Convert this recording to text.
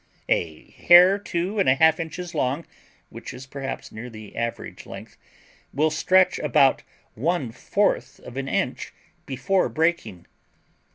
A hair two and a half inches long, which is perhaps near the average length, will stretch about one fourth of an inch before breaking.